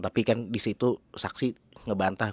tapi kan disitu saksi ngebantah